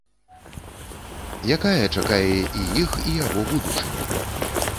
Якая чакае і іх і яго будучыня?